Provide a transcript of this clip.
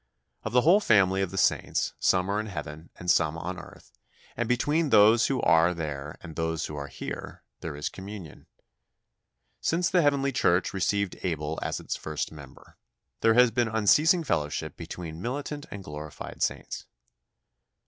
Of the whole family of the saints, some are in heaven and some on earth, and, between those who are there and those who are here, there is communion. Since the heavenly Church received Abel as its first member, there has been unceasing fellowship between militant and glorified saints.